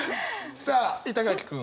さあ板垣君。